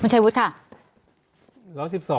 ค่ะบุญชัยวุฒิค่ะ